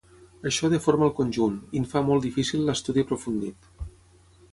Això deforma el conjunt, i en fa molt difícil l'estudi aprofundit.